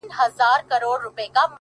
په تورو سترگو کي کمال د زلفو مه راوله،